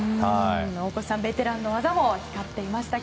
大越さん、ベテランの技も光っていました。